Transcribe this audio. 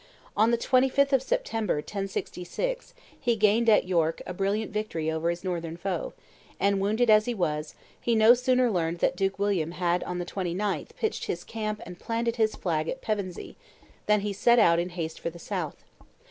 On the 25th of September, 1066, he gained at York a brilliant victory over his northern foe; and, wounded as he was, he no sooner learned that Duke William had on the 29th pitched his camp and planted his flag at Pevensey, than he set out in haste for the south.